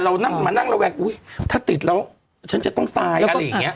นั่งมานั่งระแวงอุ๊ยถ้าติดแล้วฉันจะต้องตายอะไรอย่างนี้